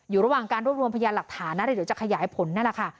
อยู่ระหว่างการรวบรวมพยานหลักฐานนะเดี๋ยวจะขยายผลนั่นแหละค่ะ